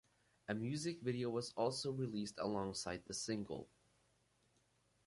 A music video was also released alongside the single.